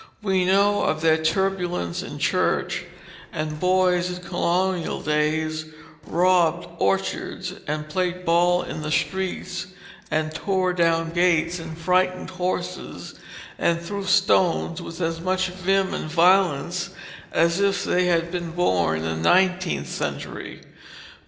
We know of their turbulence in church; and boys in colonial days robbed orchards, and played ball in the streets, and tore down gates, and frightened horses, and threw stones with as much vim and violence as if they had been born in the nineteenth century.